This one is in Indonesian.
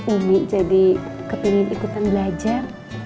umi jadi kepingin ikutan belajar